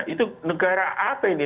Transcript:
itu negara apa ini